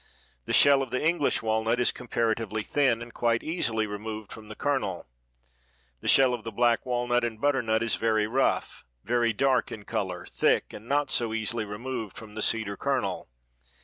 The shell of the English walnut is comparatively thin and quite easily removed from the kernel. The shell of black walnut and butternut is very rough, very dark in color, thick, and not so easily removed from the seed or kernel.